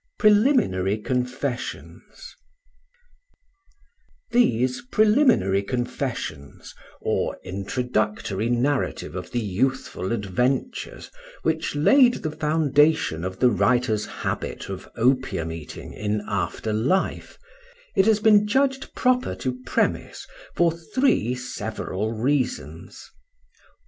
PRELIMINARY CONFESSIONS These preliminary confessions, or introductory narrative of the youthful adventures which laid the foundation of the writer's habit of opium eating in after life, it has been judged proper to premise, for three several reasons: 1.